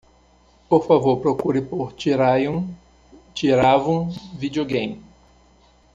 Por favor, procure por Thirayum Theeravum video game.